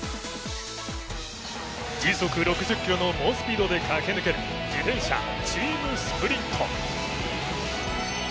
時速６０キロの猛スピードで駆け抜ける自転車チームスプリント。